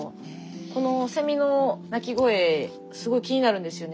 このセミの鳴き声すごい気になるんですよね。